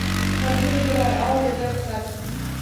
Qolgim kelar, o, go’zal Hirot.